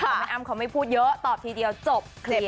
แม่อ้ามขอไม่พูดเยอะตอบทีเดียวจบเคลียร์